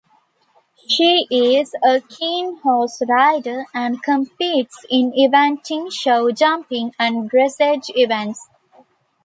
She is a keen horse rider, and competes in eventing, showjumping, and dressage events.